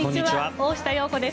大下容子です。